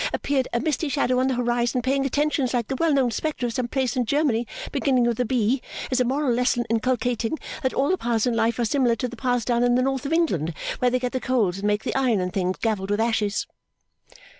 appeared a misty shadow on the horizon paying attentions like the well known spectre of some place in Germany beginning with a B is a moral lesson inculcating that all the paths in life are similar to the paths down in the North of England where they get the coals and make the iron and things gravelled with ashes!